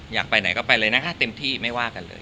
อยากไปไหนก็ไปเลยนะคะเต็มที่ไม่ว่ากันเลย